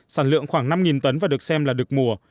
sản lượng khoảng năm tấn và được xem là đực mùa